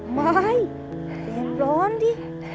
มายหล่อดิ